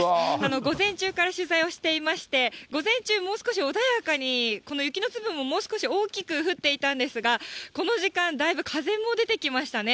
午前中から取材をしていまして、午前中、もう少し穏やかにこの雪の粒ももう少し大きく降っていたんですが、この時間、だいぶ風も出てきましたね。